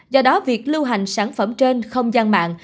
do đó việc lưu hành sản phẩm trên không gian mạng